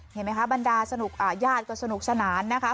เห็นไหมคะบรรดาสนุกญาติก็สนุกสนานนะคะ